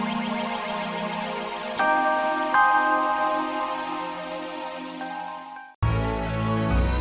sampai jumpa lagi